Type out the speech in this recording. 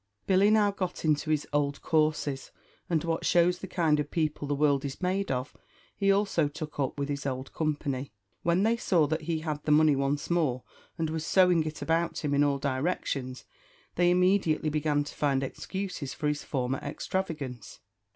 Billy now got into his old courses; and what shows the kind of people the world is made of, he also took up with his old company. When they saw that he had the money once more, and was sowing it about him in all directions, they immediately began to find excuses for his former extravagance.